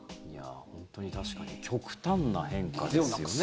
本当に、確かに極端な変化ですよね。